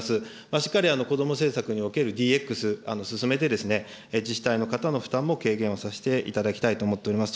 しっかりこども政策におけるＤＸ進めて、自治体の方の負担も軽減をさせていただきたいと思っております。